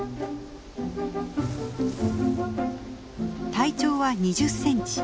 体長は２０センチ。